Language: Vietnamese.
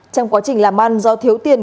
trong quá trình làm ăn do thiếu tiền